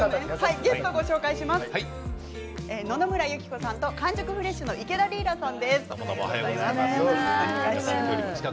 ゲストは野々村友紀子さんと完熟フレッシュの池田レイラさんです。